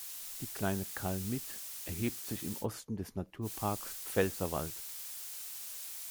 Die Kleine Kalmit erhebt sich im Osten des Naturparks Pfälzerwald.